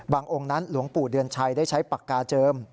องค์นั้นหลวงปู่เดือนชัยได้ใช้ปากกาเจิม